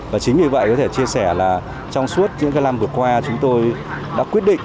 và chính vì vậy có thể chia sẻ là trong suốt những năm vừa qua chúng tôi đã quyết định